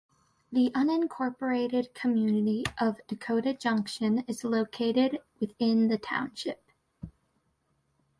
The unincorporated community of Dakota Junction is located within the township.